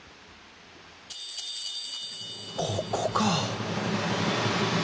ここかあ。